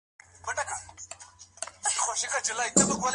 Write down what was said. احمدشاه بابا د افغانانو په زړونو کې ځای لري.